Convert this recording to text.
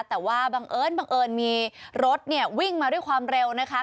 แต่ว่าบังเอิญบังเอิญมีรถเนี่ยวิ่งมาด้วยความเร็วนะคะ